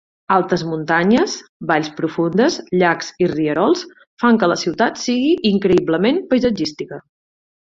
Altes muntanyes, valls profundes, llacs i rierols, fan que la ciutat sigui increïblement paisatgística.